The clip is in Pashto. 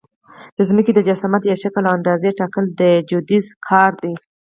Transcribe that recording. د ځمکې د جسامت یا شکل او اندازې ټاکل د جیودیزي کار دی